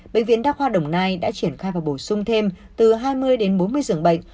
bệnh viện đa khoa đồng nai đã triển khai và bổ sung thêm từ hai mươi đến bốn mươi giường bệnh